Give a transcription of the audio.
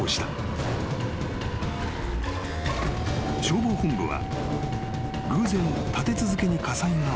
［消防本部は偶然立て続けに火災が起きた］